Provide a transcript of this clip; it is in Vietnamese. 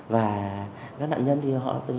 và các nạn nhân thì họ từng